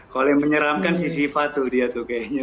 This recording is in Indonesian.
kalau yang menyeramkan si siva tuh dia tuh kayaknya